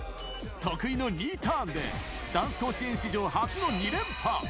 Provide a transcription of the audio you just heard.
得意のニーターンで、ダンス甲子園史上初の２連覇。